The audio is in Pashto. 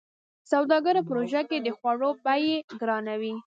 سوداګرو په روژه کې د خوړو بيې ګرانوي.